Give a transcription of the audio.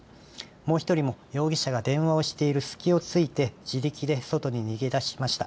もう１人も容疑者が電話をしている隙を突いて自力で外に逃げ出しました。